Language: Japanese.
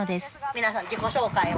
・皆さん自己紹介を。